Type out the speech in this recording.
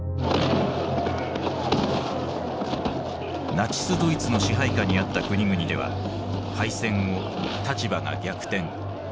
ナチスドイツの支配下にあった国々では敗戦後立場が逆転。